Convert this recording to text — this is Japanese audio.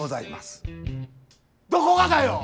どこがだよ！